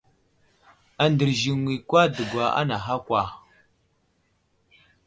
Andərziŋwi kwa dəŋga anaha kwa.